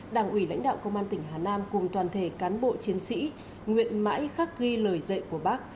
đảng ủy lãnh đạo công an tỉnh hà nam cùng toàn thể cán bộ chiến sĩ nguyện mãi khắc ghi lời dạy của bác